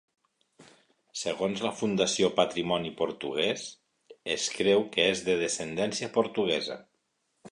Segons la Fundació Patrimoni Portuguès, es creu que és de descendència portuguesa.